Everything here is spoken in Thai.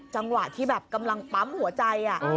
จังหวะที่แบบกำลังปั๊มหัวใจ